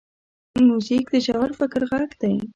موزیک د ژور فکر غږ دی.